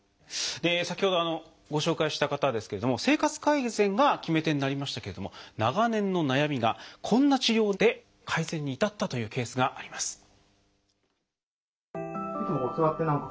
先ほどご紹介した方ですけれども生活改善が決め手になりましたけれども長年の悩みがこんな治療で改善に至ったというケースがあります。